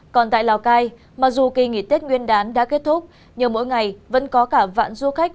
còn tại lào cai mặc dù kỳ nghỉ tết nguyên đán đã kết thúc nhưng mỗi ngày vẫn có cả vạn du khách